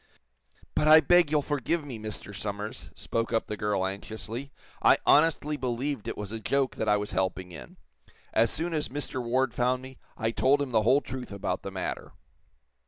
"But I beg you'll forgive me, Mr. Somers," spoke up the girl, anxiously. "I honestly believed it was a joke that I was helping in. As soon as Mr. Ward found me, I told him the whole truth about the matter."